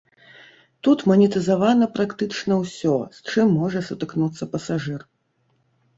Тут манетызавана практычна ўсё, з чым можа сутыкнуцца пасажыр.